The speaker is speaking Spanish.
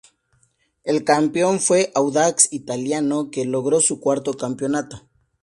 El campeón fue Audax Italiano que logró su cuarto campeonato.